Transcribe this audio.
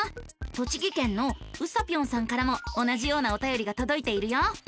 栃木県のうさぴょんさんからも同じようなおたよりがとどいているよ。